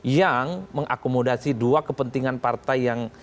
yang mengakomodasi dua kepentingan partai yang